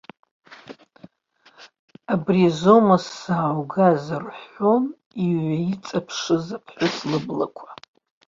Абри азоума сзааугаз, рҳәон иҩаиҵаԥшыз аԥҳәыс лыблақәа.